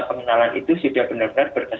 jangan bahkan itu adalah kereta kerja